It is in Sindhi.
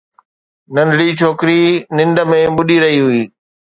ننڍڙي ڇوڪري ننڊ ۾ ٻڏي رهي هئي